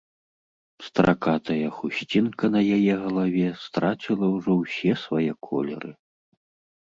Стракатая хусцінка на яе галаве страціла ўжо ўсе свае колеры.